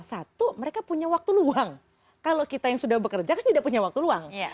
satu mereka punya waktu luang kalau kita yang sudah bekerja kan tidak punya waktu luang